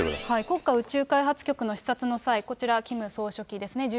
国家宇宙開発局の視察の際、こちら、キム総書記ですね、ジュ